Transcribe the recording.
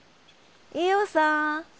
伊豫さん。